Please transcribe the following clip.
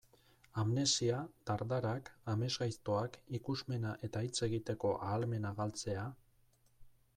Amnesia, dardarak, amesgaiztoak, ikusmena eta hitz egiteko ahalmena galtzea...